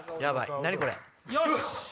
よし！